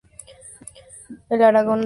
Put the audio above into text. En Aragón "rallo".